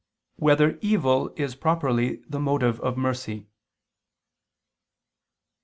1] Whether Evil Is Properly the Motive of Mercy?